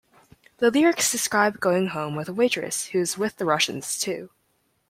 The lyrics describe going home with a waitress who is "with the Russians, too".